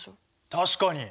確かに。